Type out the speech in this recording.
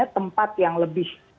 tempat yang lebih